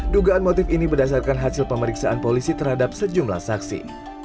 dugaan motif ini berdasarkan hasil pemeriksaan polisi terhadap sejumlah saksi